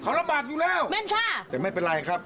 เขาลำบากอยู่แล้วแม่นค่ะแต่ไม่เป็นไรครับ